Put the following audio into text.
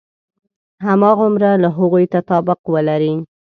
هماغومره له هغوی تطابق ولري.